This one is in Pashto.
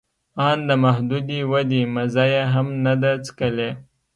آن د محدودې ودې مزه یې هم نه ده څکلې